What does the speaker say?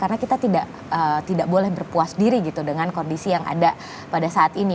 karena kita tidak boleh berpuas diri gitu dengan kondisi yang ada pada saat ini